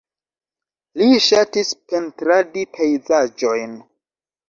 Li ŝatis pentradi pejzaĝojn.